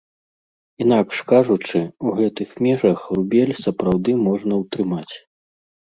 Інакш кажучы, у гэтых межах рубель сапраўды можна ўтрымаць.